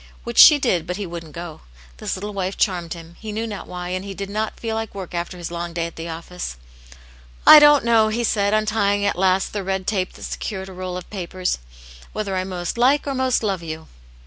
Which she did, but he wouldn't go. This little wife charmed him, he knew not why, and he did not' feel like work after his long day at the office. ■ "I don't know," he said, untying at last the red 132 Aimt Jane's Hero, tape that secured a roll of papers, " whether I most like or most love you."